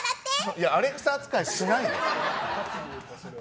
いやアレクサ扱いしないで。